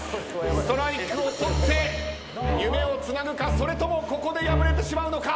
ストライクを取って夢をつなぐかそれともここで敗れてしまうのか。